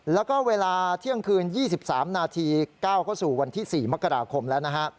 แล้วก็เวลาเที่ยงคืน๒๓นาทีก้าวเข้าสู่วันที่๔มกราคมแล้วนะฮะ